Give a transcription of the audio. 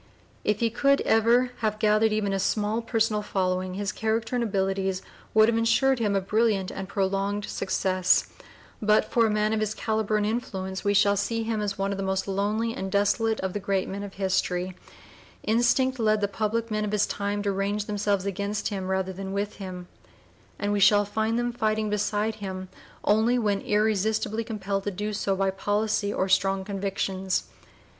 If he could ever have gathered even a small personal following his character and abilities would have insured him a brilliant and prolonged success; but, for a man of his calibre (p. 012) and influence, we shall see him as one of the most lonely and desolate of the great men of history; instinct led the public men of his time to range themselves against him rather than with him, and we shall find them fighting beside him only when irresistibly compelled to do so by policy or strong convictions.